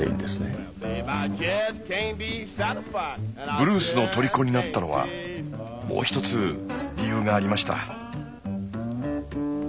ブルースのとりこになったのはもう１つ理由がありました。